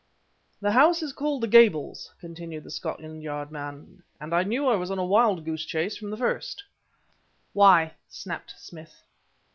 "The house is called the Gables," continued the Scotland Yard man, "and I knew I was on a wild goose chase from the first " "Why?" snapped Smith.